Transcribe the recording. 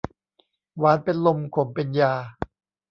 หวานเป็นลมขมเป็นยา